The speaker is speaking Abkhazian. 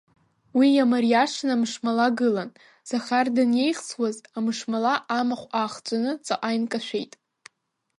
Уи иамариашаны амышмала гылан, Захар даниеихсуаз, амышмала амахә аахҵәаны ҵаҟа инкашәеит.